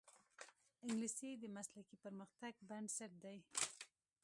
انګلیسي د مسلکي پرمختګ بنسټ دی